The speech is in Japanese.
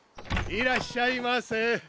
いらっしゃいませ。